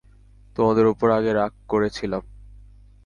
তোমাদের উপর আগে রাগ করেছিলাম।